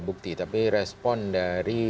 bukti tapi respon dari